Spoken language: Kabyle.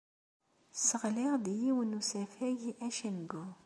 Sseɣliɣ-d yiwen n usafag acengu.